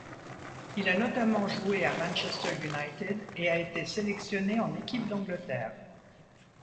Il a notamment joué à Manchester United et a été sélectionné en équipe d'Angleterre.